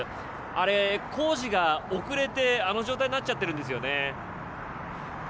あれ工事が遅れてあの状態になっちゃっているんですよね。